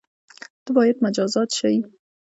ته بايد مجازات شی